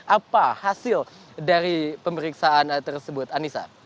apa hasil dari pemeriksaan tersebut anissa